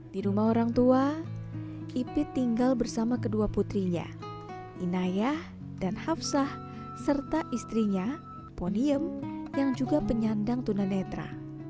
di rumah orang tua ipit tinggal bersama kedua putrinya inayah dan hafsah serta istrinya ponium yang juga penyandang tunanetra